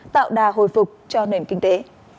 tạo đà hồi phục cho nền kinh tế